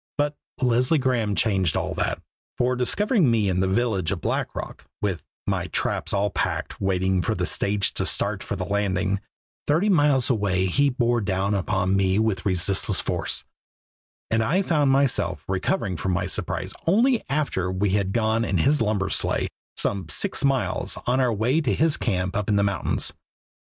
But Leslie Graeme changed all that, for, discovering me in the village of Black Rock, with my traps all packed, waiting for the stage to start for the Landing, thirty miles away, he bore down upon me with resistless force, and I found myself recovering from my surprise only after we had gone in his lumber sleigh some six miles on our way to his camp up in the mountains.